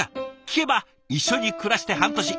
聞けば一緒に暮らして半年。